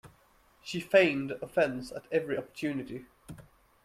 She feigned offense at every opportunity.